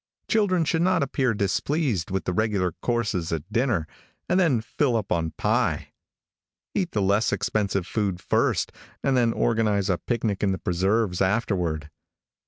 Children should not appear displeased with the regular courses at dinner, and then fill up on pie. Eat the less expensive food first, and then organize a picnic in the preserves afterward.